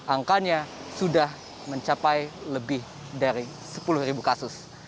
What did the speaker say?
angkanya sudah mencapai lebih dari sepuluh kasus